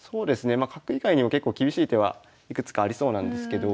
まあ角以外にも結構厳しい手はいくつかありそうなんですけどまあ